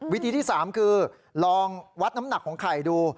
วิธีที่๓คือลองวัดน้ำหนักของไข่ดู